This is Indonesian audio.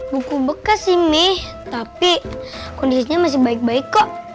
buku bekas sih mie tapi kondisinya masih baik baik kok